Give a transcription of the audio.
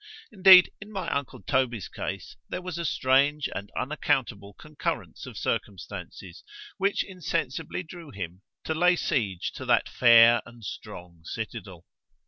Indeed in my uncle Toby's case there was a strange and unaccountable concurrence of circumstances, which insensibly drew him in, to lay siege to that fair and strong citadel.